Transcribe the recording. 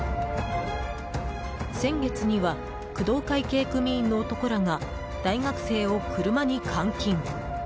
先月には、工藤会系組員の男らが大学生を車に監禁。